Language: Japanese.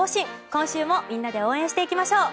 今週もみんなで応援していきましょう。